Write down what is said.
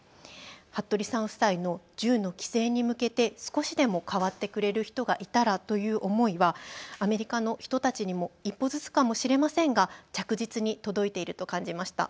服部さん夫妻の銃の規制に向けて少しでも変わってくれる人がいたらという思いはアメリカの人たちにも一歩ずつかもしれませんが着実に届いていると感じました。